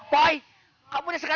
poy kamu sudah bisa ngaji